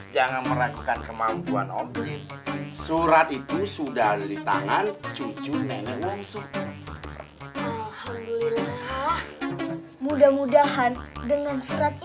jangan meragukan kemampuan objek surat itu sudah ditangan cucu nenek langsung mudah mudahan dengan